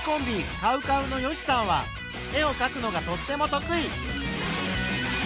ＣＯＷＣＯＷの善しさんは絵をかくのがとっても得意。